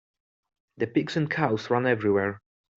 The pigs and cows ran everywhere.